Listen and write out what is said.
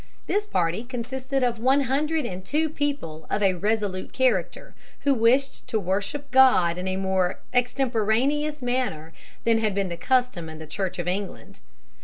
This party consisted of one hundred and two people of a resolute character who wished to worship God in a more extemporaneous manner than had been the custom in the Church of England.